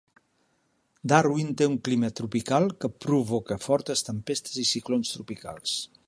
Darwin té un clima tropical que provoca fortes tempestes i ciclons tropicals.